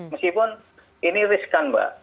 meskipun ini riskan pak